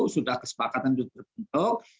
sudah kesepakatan itu terbentuk